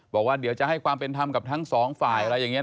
บอกว่าเดี๋ยวจะให้ความเป็นธรรมกับทั้งสองฝ่ายอะไรอย่างนี้